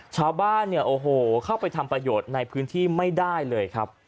ชาวบ้านเข้าไปทำประโยชน์ในพื้นที่ไม่ได้เลย